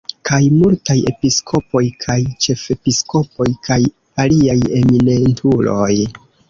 Kaj multaj episkopoj kaj ĉefepiskopoj kaj aliaj eminentuloj.